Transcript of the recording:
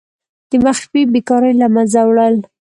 د مخفي بیکاریو له منځه وړل.